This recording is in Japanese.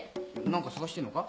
何か捜してんのか？